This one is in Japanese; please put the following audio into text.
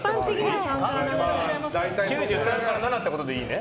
９３から７ってことでいいね？